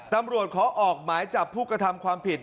ตำรวจขอออกหมายจับผู้กระทำความผิด